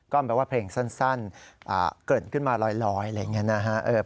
ก้อมแปลว่าเพลงสั้นเกริ่นขึ้นมารอยอะไรอย่างนี้นะครับ